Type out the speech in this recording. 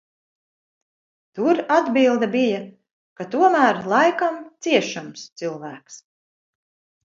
Tur atbilde bija, ka tomēr laikam ciešams cilvēks.